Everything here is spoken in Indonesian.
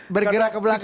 bergerak ke belakang ya